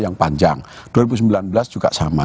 yang panjang dua ribu sembilan belas juga sama